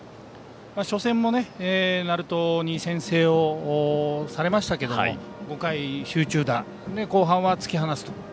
初戦も鳴門に先制されましたけれども５回集中打そして、後半は突き放すという。